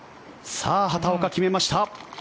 さあ、畑岡決めました。